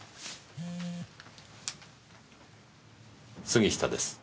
杉下です。